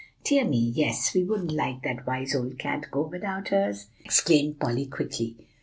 "Dear me, yes. We wouldn't let that wise old cat go without hers!" exclaimed Polly, quickly.